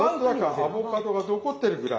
アボカドが残ってるぐらい。